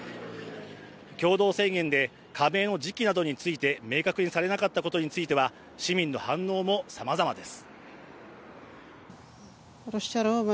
共同宣言で、加盟の時期などについて明確にされなかったことについては市民の反応もさまざまです。